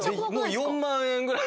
４万円ぐらい。